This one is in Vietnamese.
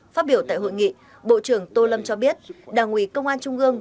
phát biểu tại hội nghị bộ trưởng tô lâm cho biết đảng ủy công an trung ương